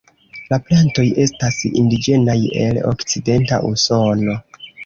La plantoj estas indiĝenaj el Okcidenta Usono.